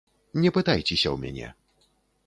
Не пытайцеся ў мяне.